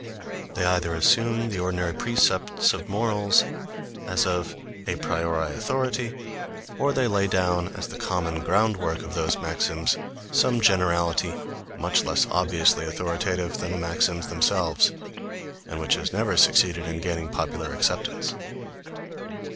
They either assume the ordinary precepts of morals as of a priori authority, or they lay down as the common groundwork of those maxims, some generality much less obviously authoritative than the maxims themselves, and which has never succeeded in gaining popular acceptance.